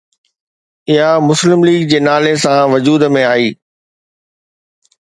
اها مسلم ليگ جي نالي سان وجود ۾ آئي